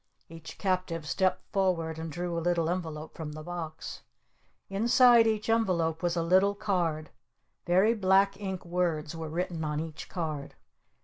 Each captive stepped forward and drew a little envelope from the box. Inside each envelope was a little card. Very black ink words were written on each card.